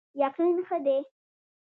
یقین ښه دی.